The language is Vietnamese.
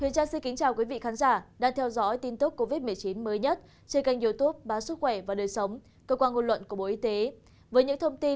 các bạn hãy đăng ký kênh để ủng hộ kênh của chúng mình nhé